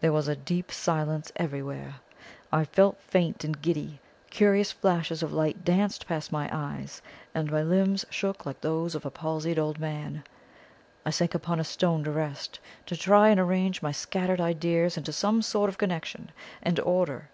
There was a deep silence everywhere. I felt faint and giddy: curious flashes of light danced past my eyes, and my limbs shook like those of a palsied old man. I sank upon a stone to rest, to try and arrange my scattered ideas into some sort of connection and order.